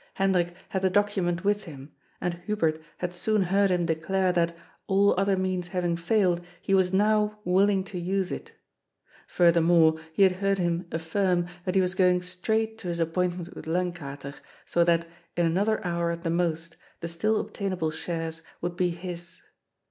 Hendrik had the document with him, and Hubert had soon heard him declare that, all other means having failed, he was now willing to use it Furthermore he had heard him affirm that he was going straight to his appoint ment with Lankater, so that, in another hour at the most, the still obtainable shares would be his.